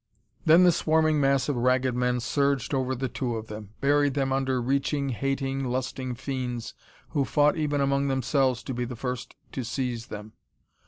Then the swarming mass of Ragged Men surged over the two of them. Buried them under reaching, hating, lusting fiends who fought even among themselves to be first to seize them.